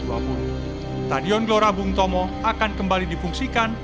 stadion glorabung tomo akan kembali difungsikan